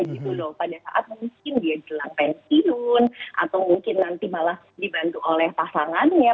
pada saat mungkin dia di dalam pensiun atau mungkin nanti malah dibantu oleh pasangannya